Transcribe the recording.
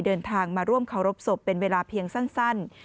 เดินทางมาร่วมเคารพศพเป็นเวลาเพียงสั้น